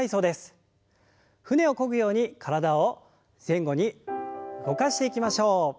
舟をこぐように体を前後に動かしていきましょう。